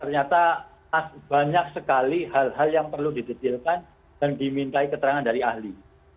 ternyata banyak sekali hal hal yang perlu didetilkan dan dimintai keterangan dari ahli